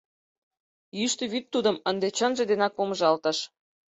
Йӱштӧ вӱд тудым ынде чынже денак помыжалтыш.